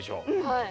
はい。